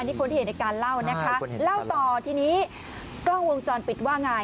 นี่คนที่เห็นในการเล่านะคะเล่าต่อทีนี้กล้องวงจรปิดว่าไง